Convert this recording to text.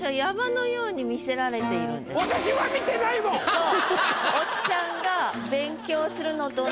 そう。